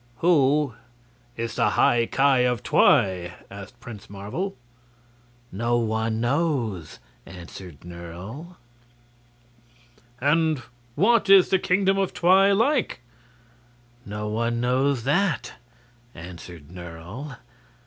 "Who is the High Ki of Twi?" asked Prince Marvel. "No one knows," answered Nerle. "And what is the Kingdom of Twi like?" "No one knows that," answered Nerle.